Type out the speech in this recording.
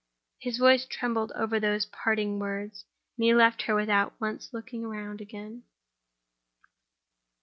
His voice trembled over those parting words; and he left her without once looking round again.